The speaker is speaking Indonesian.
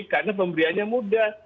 karena pemberiannya mudah